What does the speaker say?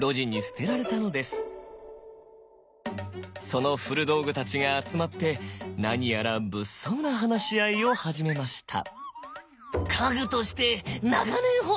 その古道具たちが集まって何やら物騒な話し合いを始めました。